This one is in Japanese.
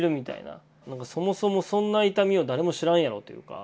そもそもそんな痛みを誰も知らんやろというか。